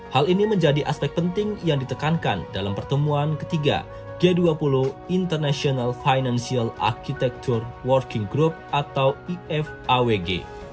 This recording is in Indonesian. hal ini menjadi aspek penting yang ditekankan dalam pertemuan ketiga g dua puluh international financial architecture working group atau ifawg